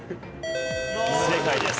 正解です。